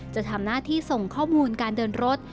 จะทำหน้าที่ส่งข้อมูลการเดินรถ